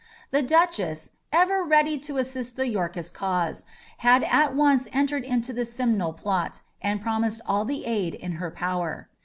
The Duchess, ever ready to assist the Yorkist cause, had at once entered into the Simnel plot, and promised all the aid in her power.